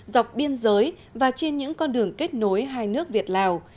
dọc biên giới và trên những con đường kết nối hai nước việt lào